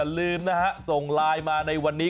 อย่าลืมนะครับส่งไลน์มาในวันนี้